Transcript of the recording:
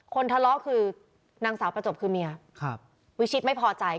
คนทะเลาะคือนางสาวประจบคือเมีย